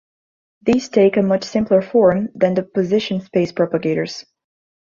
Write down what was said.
These take a much simpler form than the position space propagators.